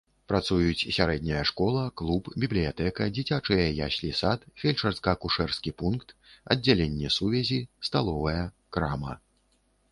Працуюць сярэдняя школа, клуб, бібліятэка, дзіцячыя яслі-сад, фельчарска-акушэрскі пункт, аддзяленне сувязі, сталовая, крама.